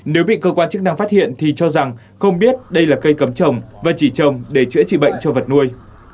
nếu bị cơ quan chức năng phát hiện thì cho rằng không biết đây là cây cấm trồng và chỉ trồng để chữa trị bệnh cho vật nuôi